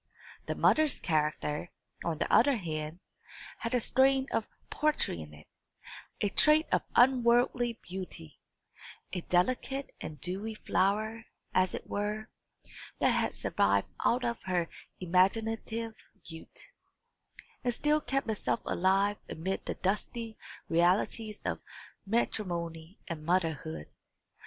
The mother's character, on the other hand, had a strain of poetry in it, a trait of unworldly beauty a delicate and dewy flower, as it were, that had survived out of her imaginative youth, and still kept itself alive amid the dusty realities of matrimony and motherhood.